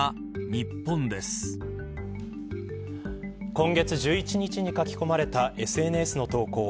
今月１１日に書き込まれたＳＮＳの投稿。